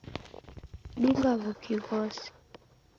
Dunga w'uki ghose